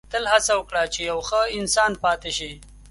• تل هڅه وکړه چې یو ښه انسان پاتې شې.